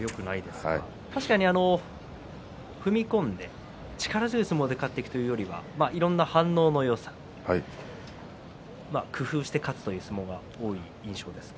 確かに踏み込んで力強い相撲で勝っていくというよりは、いろんな反応のよさ工夫して勝つという相撲が多い印象です。